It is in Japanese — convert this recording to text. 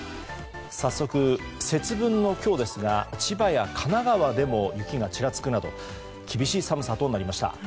早速、節分の今日ですが千葉や神奈川でも雪がちらつくなど厳しい寒さとなりました。